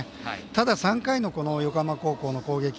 ただ、３回の横浜高校の攻撃。